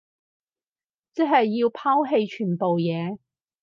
即係要拋棄全部嘢